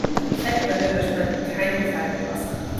Fettbrände löscht man in keinem Fall mit Wasser.